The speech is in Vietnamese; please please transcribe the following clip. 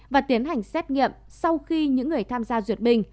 và tiến hành xét nghiệm sau khi những người tham gia duyệt bình